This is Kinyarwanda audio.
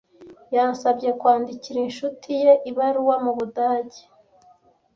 Yansabye kwandikira inshuti ye ibaruwa mu Budage.